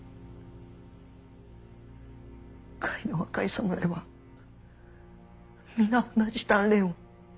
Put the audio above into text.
甲斐の若い侍は皆同じ鍛錬を。